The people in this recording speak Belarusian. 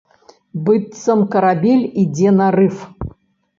Быццам карабель ідзе на рыф.